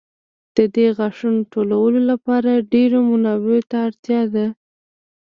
د دې غاښونو ټولولو لپاره ډېرو منابعو ته اړتیا ده.